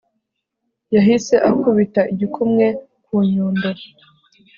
yahise akubita igikumwe ku nyundo